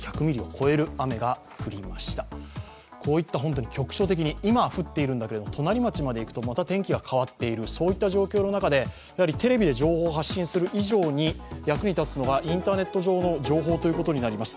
こういった局所的に、今は降っているんだけれども、隣町まで行くと、また天気が変わっている、そういった状況の中で、テレビで情報を発信する以上に役に立つのがインターネット上の情報ということになります。